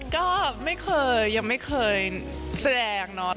ก็ไม่เคยยังไม่เคยแสดงเนาะ